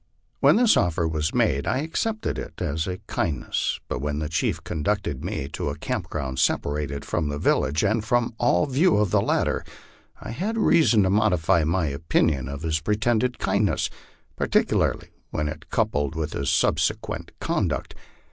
When this offer was made I accepted it as a kindness, but when the chief conducted me to a camp ground separated from the village, and from all view of the latter, I had reason to modify my opinion of his pretended kindness, particularly when coupled with his subsequent conduct.